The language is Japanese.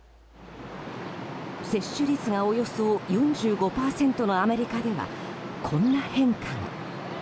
接種率がおよそ４５％のアメリカではこんな変化が。